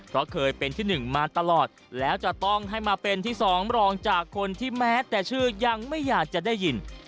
เพราะเคยเป็นที่๑มาตลอดแล้วจะต้องให้มาเป็นที่สองรองจากคนที่แม้แต่ชื่อยังไม่อยากจะได้ยิน